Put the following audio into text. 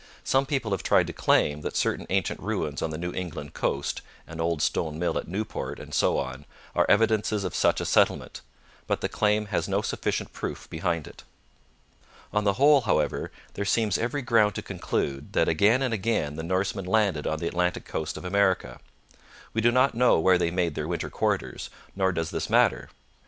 Some people have tried to claim that certain ancient ruins on the New England coast an old stone mill at Newport, and so on are evidences of such a settlement. But the claim has no sufficient proof behind it. On the whole, however, there seems every ground to conclude that again and again the Norsemen landed on the Atlantic coast of America. We do not know where they made their winter quarters, nor does this matter.